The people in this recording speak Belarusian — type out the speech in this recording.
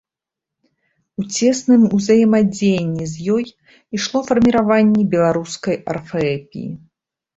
У цесным узаемадзеянні з ёй ішло фарміраванне беларускай арфаэпіі.